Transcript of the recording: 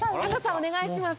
お願いします。